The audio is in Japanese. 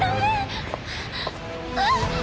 あっ。